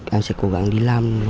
em sẽ cố gắng đi làm